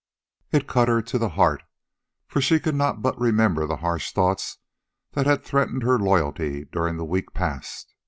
It cut her to the heart, for she could not but remember the harsh thoughts that had threatened her loyalty during the week past.